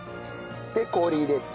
で氷入れて。